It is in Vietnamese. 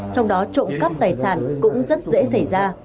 trong đó trộm cắp tài sản cũng rất dễ xảy ra